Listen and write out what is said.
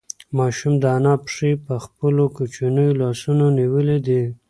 ماشوم د انا پښې په خپلو کوچنیو لاسونو نیولې دي.